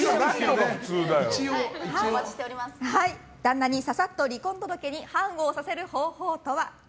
旦那にささっと離婚届に判を押させる方法とは？